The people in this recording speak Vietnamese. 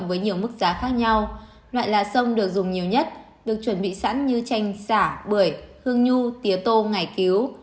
với nhiều mức giá khác nhau loại lá sông được dùng nhiều nhất được chuẩn bị sẵn như chanh xả bưởi hương nhu tía tô ngày cứu